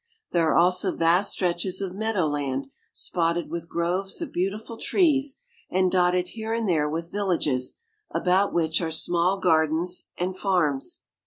There are also vast stretches of meadow land, spotted with groves of beautiful trees, and dotted here and there with villages, about which are small gardens and farms.